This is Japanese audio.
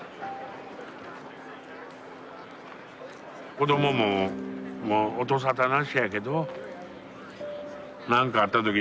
子どもももう音沙汰なしやけどなんかあったとき